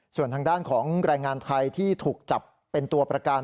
ส่วนทางด้านของแรงงานไทยที่ถูกจับเป็นตัวประกัน